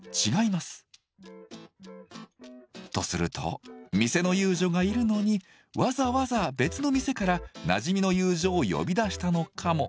とすると店の遊女がいるのにわざわざ別の店からなじみの遊女を呼び出したのかも。